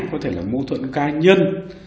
có thể là mô thuận cá nhân